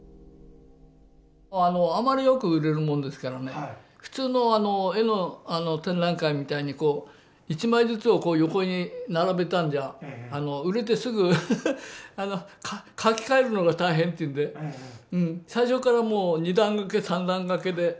あまりよく売れるもんですからね普通の絵の展覧会みたいに一枚ずつをこう横に並べたんじゃ売れてすぐ掛け替えるのが大変っていうんで最初からもう２段掛け３段掛けで。